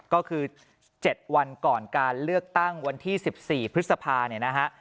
ก็คือ๗วันก่อนการเลือกตั้งวันที่๑๔พฤษภาคม